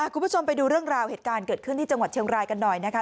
คุณผู้ชมไปดูเรื่องราวเหตุการณ์เกิดขึ้นที่จังหวัดเชียงรายกันหน่อยนะคะ